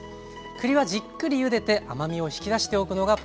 栗はじっくりゆでて甘みを引き出しておくのがポイント。